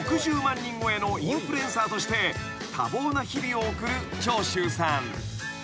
人超えのインフルエンサーとして多忙な日々を送る長州さん］